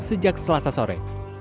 sejak selasa sore